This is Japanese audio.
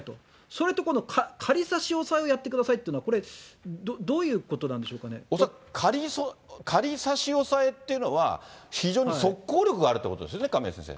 それって、仮差し押さえをやってくださいというのは、これどうい恐らく、仮差し押さえっていうのは、非常に即効力があるということですよね、亀井先生。